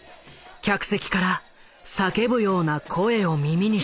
客席から叫ぶような声を耳にした。